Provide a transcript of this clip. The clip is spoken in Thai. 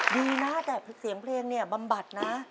ดีนะแต่เสียงเพลงบำบัดนะ